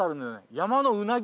山のうなぎ。